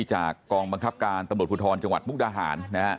จากกองบังคับการตำรวจภูทรจังหวัดมุกดาหาร